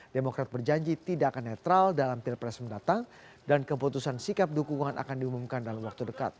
demokrat berjanji tidak akan netral dalam pilpres mendatang dan keputusan sikap dukungan akan diumumkan dalam waktu dekat